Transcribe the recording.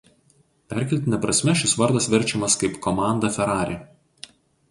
Perkeltine prasme šis vardas verčiamas kaip „"Komanda Ferrari"“.